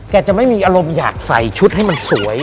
จะไม่มีอารมณ์อยากใส่ชุดให้มันสวย